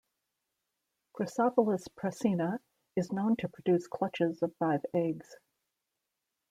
"Gastropholis prasina" is known to produce clutches of five eggs.